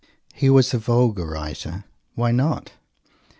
He was a vulgar writer. Why not?